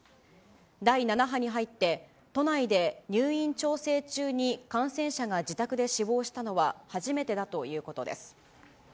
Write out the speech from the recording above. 第７波に入って、都内で入院調整中に感染者が自宅で死亡したのは初めてだというこ